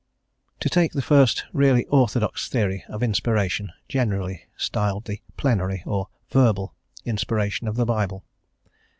To take first the really orthodox theory of inspiration, generally styled the "plenary" or "verbal" inspiration of the Bible.